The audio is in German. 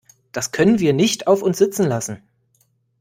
Das können wir nicht auf uns sitzen lassen!